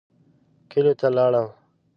کلیو ته لاړم.